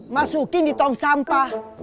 masukin di tong sampah